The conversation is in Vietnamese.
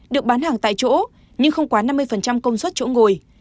được bán hàng tại chỗ nhưng không quá năm mươi công suất chỗ ngồi